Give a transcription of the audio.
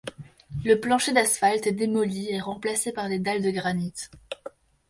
Le plancher d'asphalte est démoli et remplacé par des dalles de granit.